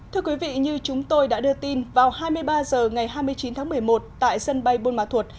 thưa quý vị như chúng tôi đã đưa tin vào hai mươi ba h ngày hai mươi chín tháng một mươi một tại sân bay bôn mạc